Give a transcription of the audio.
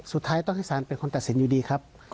สุดท้ายต้องให้สารเป็นคนตัดสินอยู่ดีครับ